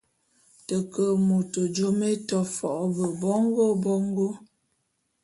Te ke môt…jôm é to fo’o ve bongô bongô.